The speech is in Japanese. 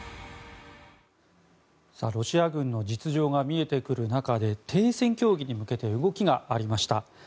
ロシア軍の実情が見えてくる中で停戦協議に向けて動きがありました。